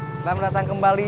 selamat datang kembali